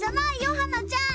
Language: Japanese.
はなちゃん。